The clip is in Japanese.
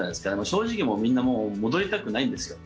正直、みんなもう戻りたくないんですよ。